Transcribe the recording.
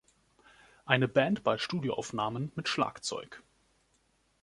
Eine Band bei Studioaufnahmen mit Schlagzeug.